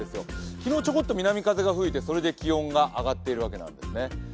昨日、ちょこっと南風が吹いてそれで気温が上がっているわけなんですね。